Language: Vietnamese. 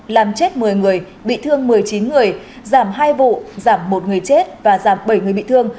làm chết một mươi người bị thương một mươi chín người giảm hai vụ giảm một người chết và giảm bảy người bị thương